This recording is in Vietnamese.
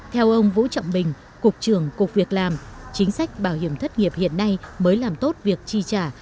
theo ông vũ trọng bình cục trưởng cục việc làm chính sách bảo hiểm thất nghiệp hiện nay mới làm tốt việc chi trả